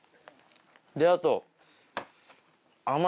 であと。